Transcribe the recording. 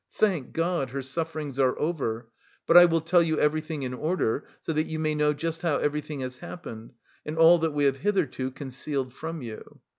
Thank God, her sufferings are over, but I will tell you everything in order, so that you may know just how everything has happened and all that we have hitherto concealed from you.